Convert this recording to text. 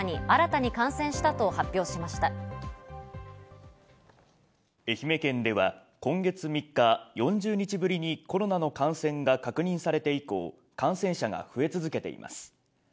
愛媛県では今月３日、４０日ぶりにコロナの感染が確認されて以降、感染者が増え続けています。